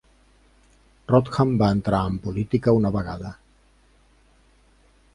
Rodham va entrar en política una vegada.